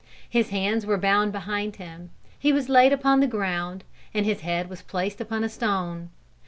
His hands were bound behind him, he was laid upon the ground, and his head was placed upon a stone.